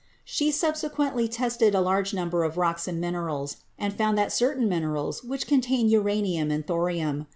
She subsequently tested a large number of rocks and minerals, and found that certain minerals which contained uranium and thorium — e.